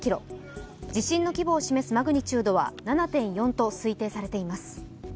地震の規模を示すマグニチュードは７．４とされています。